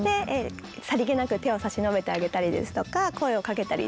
さりげなく手を差し伸べてあげたりですとか声をかけたり。